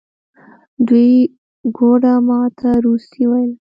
دوی ګوډه ما ته روسي ویله.